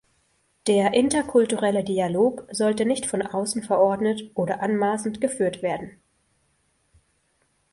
Der interkulturelle Dialog sollte nicht von außen verordnet oder anmaßend geführt werden.